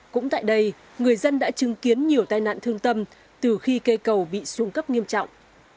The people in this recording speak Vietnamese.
cũng tại đây người dân đã chứng kiến nhiều tai nạn thương tâm từ khi cây cầu bị xuống cấp nghiêm trọng